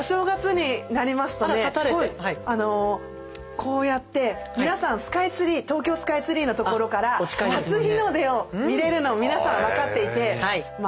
こうやって皆さんスカイツリー東京スカイツリーのところから初日の出を見れるの皆さん分かっていてまあ